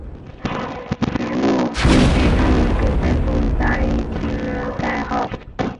节目编剧专门给这种大衣起了代号。